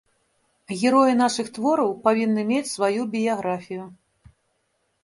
Героі нашых твораў павінны мець сваю біяграфію.